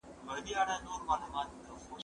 خبري وکړه!!